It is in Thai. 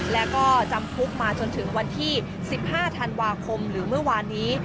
แล้วก็จำคุกมาจนถึงวันที่๑๕ธันวาคมหรือเมื่อวานนี้